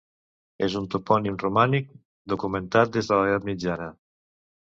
És un topònim romànic, documentat des de l'edat mitjana.